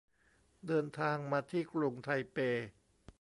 เดินทางมาที่กรุงไทเป